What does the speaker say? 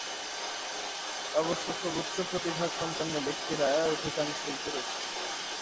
অবশ্য খুব উচ্চ প্রতিভাসম্পন্ন ব্যক্তিরা অধিকাংশই পুরুষ।